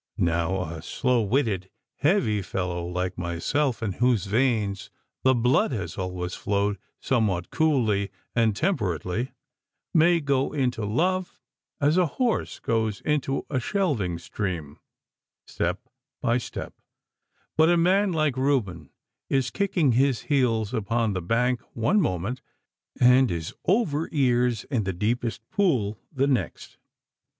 Now, a slow witted, heavy fellow like myself, in whose veins the blood has always flowed somewhat coolly and temperately, may go into love as a horse goes into a shelving stream, step by step, but a man like Reuben is kicking his heels upon the bank one moment, and is over ears in the deepest pool the nest.